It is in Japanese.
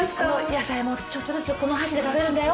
野菜もちょっとずつこのお箸で食べるんだよ？